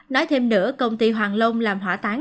nói thêm nữa công ty hoàng long làm hỏa tán